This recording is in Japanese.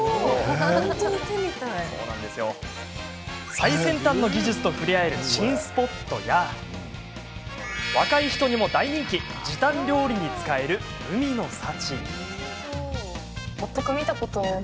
最先端の技術と触れ合える新スポットや若い人にも大人気時短料理に使える海の幸。